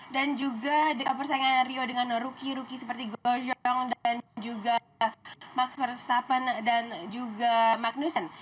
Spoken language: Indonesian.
dan juga persaingan rio dengan rookie rookie seperti gojong dan juga max verstappen dan juga magnussen